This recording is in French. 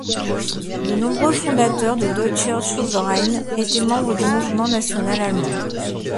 De nombreux fondateurs de Deutscher Schulverein étaient membres du mouvement national-allemand.